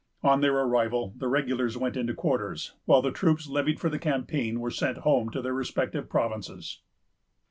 On their arrival, the regulars went into quarters; while the troops levied for the campaign were sent home to their respective provinces.